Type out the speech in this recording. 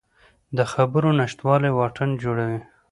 د خبرو نشتوالی واټن جوړوي